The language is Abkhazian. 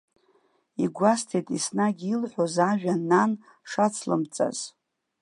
Игәасҭеит еснагь илҳәоз ажәа нан шацлымҵаз.